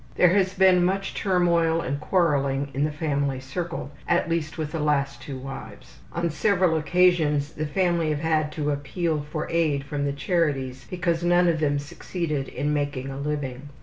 There has been much turmoil and quarreling in the family circle, at least with the last two wives. On several occasions the family have had to appeal for aid from the charities because none of them succeeded in making a living.